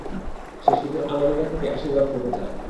সে সুদূর আমেরিকা থেকে আশীর্বাদ পেতে চায়।